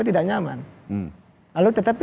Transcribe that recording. tidak nyaman lalu tetapi